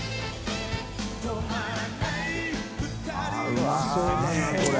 ◆舛うまそうだなこれ。